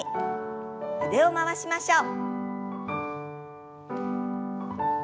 腕を回しましょう。